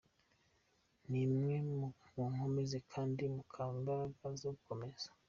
Nimwe munkomeza kandi mukampa imbaraga zo gukomeza.